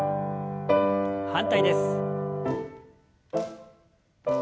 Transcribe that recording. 反対です。